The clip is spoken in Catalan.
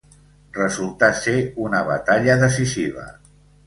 Resultà ser una batalla decisiva.